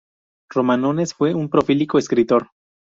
Romanones fue un prolífico escritor.